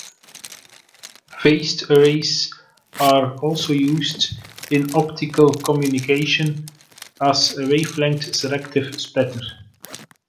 Phased arrays are also used in optical communication as a wavelength-selective splitter.